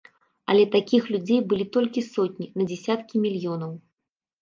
Але такіх людзей былі толькі сотні на дзесяткі мільёнаў.